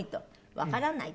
わからないと。